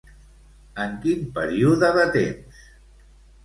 En quin període de temps?